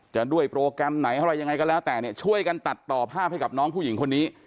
จะด้วยโปรแกรมไหนอะไรยังไงก็แล้วแต่เนี่ยช่วยกันตัดต่อภาพให้กับน้องผู้หญิงคนนี้